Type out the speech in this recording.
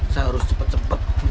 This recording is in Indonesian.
saya harus cepat cepat